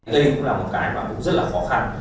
đây cũng là một cái mà cũng rất là khó khăn